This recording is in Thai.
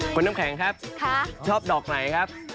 คุณน้ำแข็งครับชอบดอกไหนครับ